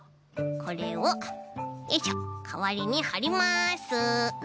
これをよいしょかわりにはります。